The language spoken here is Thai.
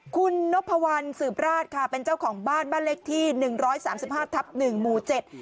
คุณนพสุบราชเป็นเจ้าของบ้านบ้านเลขที่๑๓๕ทัพ๑หมู๗